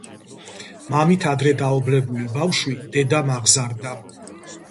მამით ადრე დაობლებული ბავშვი დედამ აღზარდა.